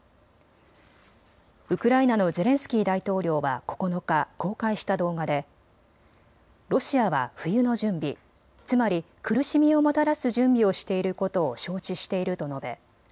ウクライナのゼレンスキー大統領は９日、公開した動画でロシアは冬の準備、つまり苦しみをもたらす準備をしていることを承知していると述べ